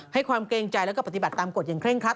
ความเกรงใจแล้วก็ปฏิบัติตามกฎอย่างเร่งครั